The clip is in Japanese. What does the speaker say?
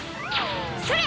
それ！